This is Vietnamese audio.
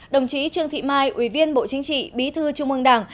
đồng chí trương thị mai ủy viên bộ chính trị bí thư trung ương đảng